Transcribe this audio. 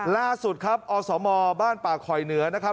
ล่าสุดครับอสมบ้านป่าคอยเหนือนะครับ